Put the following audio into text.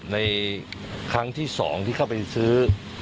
ในครั้งที่๒ที่เข้าไปซื้อ